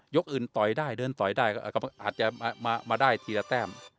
อื่นต่อยได้เดินต่อยได้ก็อาจจะมาได้ทีละแต้ม